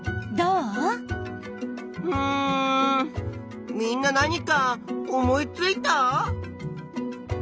うんみんな何か思いついた？